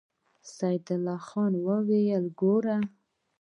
سيدال خان وويل: ګوره!